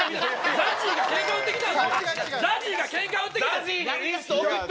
ＺＡＺＹがケンカ売って来て。